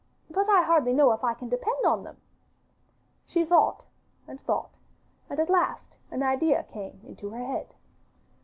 but I hardly know if I can depend on them.' She thought, and thought, and at last an idea came into her head.